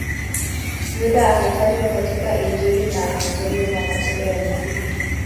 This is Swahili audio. Yuda anatajwa katika Injili na mwanzoni mwa Matendo ya Mitume.